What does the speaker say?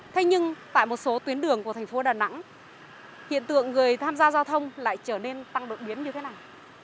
thế nhưng tại một số tuyến đường của thành phố đà nẵng hiện tượng người tham gia giao thông lại trở nên tăng đột biến như thế này